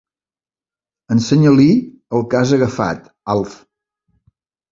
Ensenya-li el que has agafat, Alf.